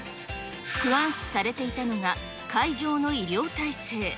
不安視されていたのが、会場の医療体制。